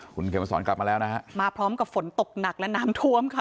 คุณเขียนมาสอนกลับมาแล้วนะฮะมาพร้อมกับฝนตกหนักและน้ำท่วมค่ะ